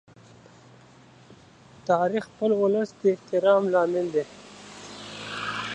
تاریخ د خپل ولس د احترام لامل دی.